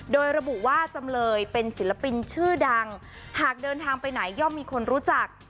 โดยระบุว่าจำเลยเป็นศิลปินชื่อดังหากเดินทางไปไหนย่อมมีคนรู้จัก